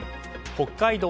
北海道